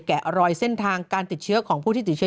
แกะรอยเส้นทางการติดเชื้อของผู้ที่ติดเชื้อ